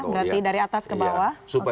berarti dari atas ke bawah